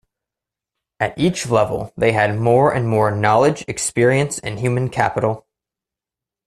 At each level they had more and more knowledge experience and human capital.